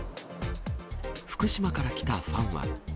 福島から来たファンは。